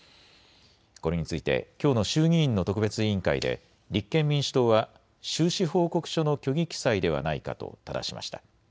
これについてきょうの衆議院の特別委員会で立憲民主党は収支報告書の虚偽記載ではないかとただしました。